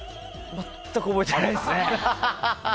全く覚えてないですね。